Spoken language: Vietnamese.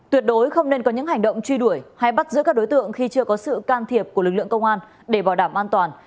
tuyệt đối không nên có những hành động truy đuổi hay bắt giữ các đối tượng khi chưa có sự can thiệp của lực lượng công an để bảo đảm an toàn